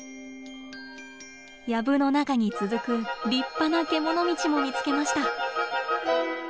やぶの中に続く立派な獣道も見つけました。